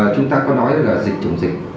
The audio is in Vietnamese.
chúng ta có nói là dịch chồng dịch